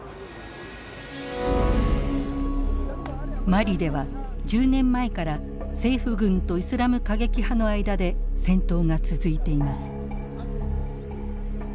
マリでは１０年前から政府軍とイスラム過激派の間で戦闘が続いています。